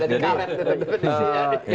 dari karet itu